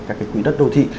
các cái quỹ đất đô thị